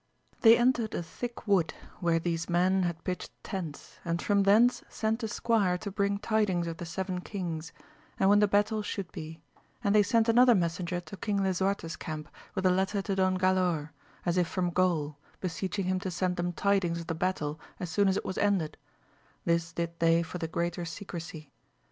207 They entered a thick wood where these men had pitched tents, and from thence sent a squire to bring tidings of the seven kings, and when the battle should be ; and they sent another messenger to King Lisu arte's camp with a letter to Don Galaor, as if from Gaul, beseeching him to send them tidings of the battle as soon as it was ended : this did they for the greater secrecy.